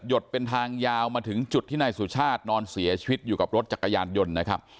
ดเป็นทางยาวมาถึงจุดที่นายสุชาตินอนเสียชีวิตอยู่กับรถจักรยานยนต์นะครับ